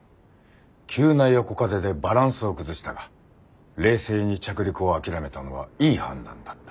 急な横風でバランスを崩したが冷静に着陸を諦めたのはいい判断だった。